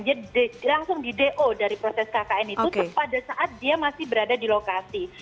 jadi langsung di do dari proses kkn itu pada saat dia masih berada di lokasi